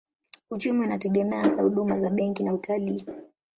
Uchumi unategemea hasa huduma za benki na utalii.